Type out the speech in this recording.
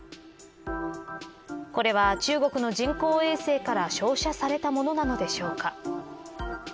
これは中国の人工衛星から照射されたものなのでしょうか。